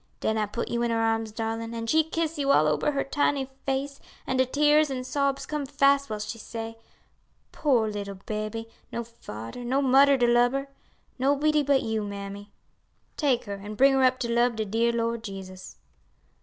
Den I put you in her arms, darlin', an' she kiss you all ober your tiny face, an' de tears an' sobs come fast while she say, 'Poor little baby; no fader no mudder to lub her! nobody but you, mammy; take her an' bring her up to lub de dear Lord Jesus.'"